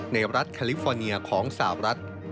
ในรัฐแคลิฟอร์เนียของสาวรัฐ